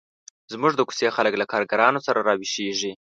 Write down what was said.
زموږ د کوڅې خلک له کارګرانو سره را ویښیږي.